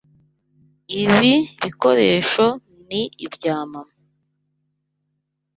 Ibi bikoresho ni ibya mama.